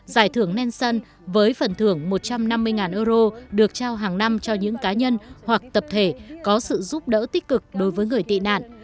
giải thưởng nensun với phần thưởng một trăm năm mươi euro được trao hàng năm cho những cá nhân hoặc tập thể có sự giúp đỡ tích cực đối với người tị nạn